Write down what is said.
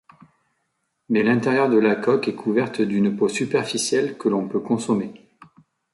Mais l’intérieur de la coque est couverte d’une peau superficielle que l’on peut consommer.